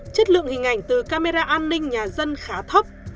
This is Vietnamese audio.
chất lượng hình ảnh từ camera an ninh nhà dân khá thấp